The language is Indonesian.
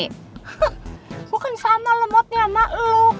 hah gua kan sama lemotnya ama lu